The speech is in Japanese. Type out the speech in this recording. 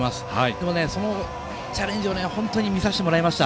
でも、そのチャレンジを本当に見させてもらいました。